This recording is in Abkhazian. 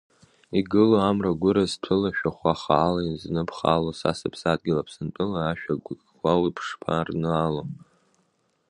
Игыло амра гәыраз-ҭәыла, Шәахәа хаала изныԥхало, Са сыԥсадгьыл Аԥсынтәыла Ашәа гәыкқәа ушԥарнаало!